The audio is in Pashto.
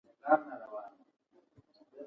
هغه له استاد څخه د دې توپیر په اړه وپوښتل